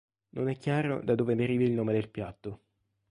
Non è chiaro da dove derivi il nome del piatto.